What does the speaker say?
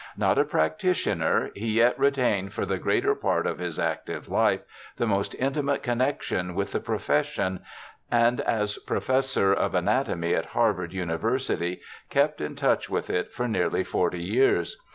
Not a prac titioner, he yet retained for the greater part of his active life the most intimate connexion with the pro fession, and as Professor of Anatomy at Harvard University kept in touch with it for nearly forty years.